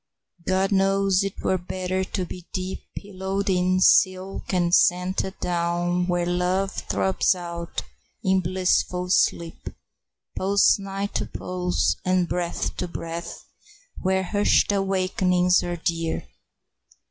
God knows 'twere better to be deep Pillowed in silk and scented down, Where love throbs out in blissful sleep, Pulse nigh to pulse, and breath to breath, Where hushed awakenings are dear.